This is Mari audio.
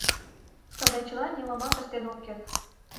Тылечла нимомат ыштен ок керт.